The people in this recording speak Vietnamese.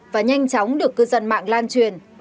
và nhanh chóng được cư dân mạng lan truyền